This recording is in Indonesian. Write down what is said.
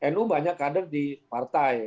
nu banyak kader di partai